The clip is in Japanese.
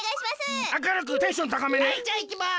はいじゃあいきます！